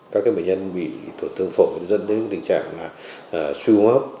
các bệnh nhân bị tổn thương phổi dẫn đến tình trạng suy hô hấp